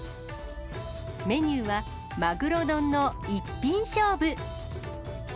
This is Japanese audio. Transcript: メニューはマグロ丼の一品勝負。